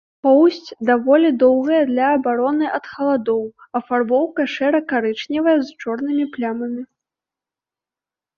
Поўсць даволі доўгая для абароны ад халадоў, афарбоўка шэра-карычневая з чорнымі плямамі.